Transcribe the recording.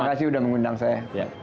terima kasih sudah mengundang saya